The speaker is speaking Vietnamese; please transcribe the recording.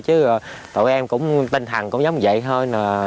chứ tụi em cũng tinh thần cũng giống vậy thôi